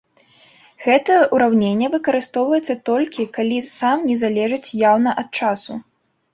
Гэта ўраўненне выкарыстоўваецца толькі, калі сам не залежыць яўна ад часу.